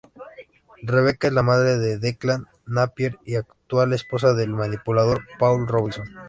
Rebecca es la madre de Declan Napier y actual esposa del manipulador Paul Robinson.